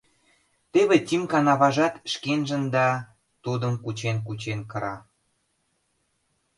Теве Тимкан аважат шкенжын да, тудым кучен-кучен кыра.